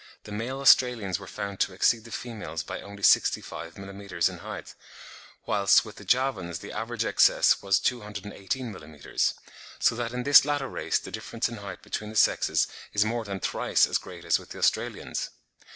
the male Australians were found to exceed the females by only 65 millim. in height, whilst with the Javans the average excess was 218 millim.; so that in this latter race the difference in height between the sexes is more than thrice as great as with the Australians.